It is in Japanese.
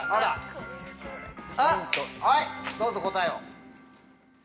どうぞ答えを。